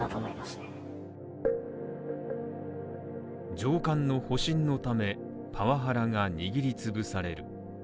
上官の保身のため、パワハラが握りつぶされる。